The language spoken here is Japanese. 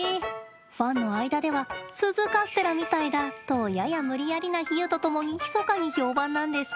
ファンの間では鈴カステラみたいだとやや無理やりな比喩と共にひそかに評判なんです。